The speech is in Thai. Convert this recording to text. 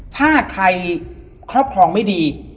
ถ้าใครครอบครองไม่ดี